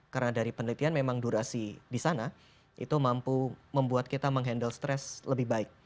karena dari penelitian memang durasi di sana itu mampu membuat kita mengendal stres lebih baik